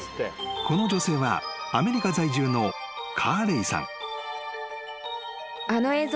［この女性はアメリカ在住のカーレイさん］